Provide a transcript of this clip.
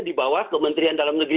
di bawah kementerian dalam negeri